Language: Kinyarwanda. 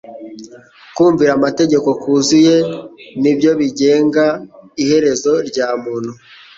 Kumvira amategeko kuzuye ni byo bigenga iherezo rya muntu.